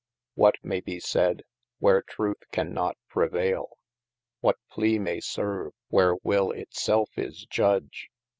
What may be saide, where truth cannot prevailed What plea maie serve, where will it selfe is judge